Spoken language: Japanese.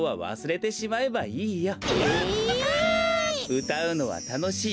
うたうのはたのしい。